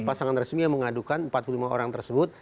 pasangan resmi yang mengadukan empat puluh lima orang tersebut